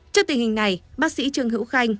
trước tình hình này bác sĩ trương hữu khanh